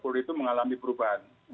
polri itu mengalami perubahan